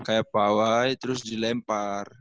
kayak pawai terus dilempar